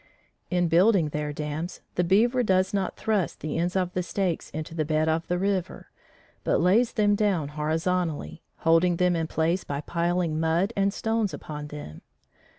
In building their dams, the beaver does not thrust the ends of the stakes into the bed of the river, but lays them down horizontally, holding them in place by piling mud and stones upon them.